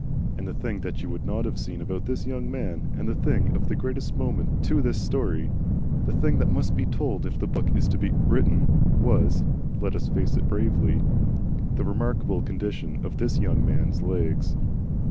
And the thing that you would not have seen about this young man, and the thing of the greatest moment to this story, the thing that must be told if the book is to be written, was let us face it bravely the Remarkable Condition of this Young Man's Legs.